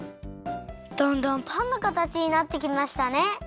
だんだんパンのかたちになってきましたね。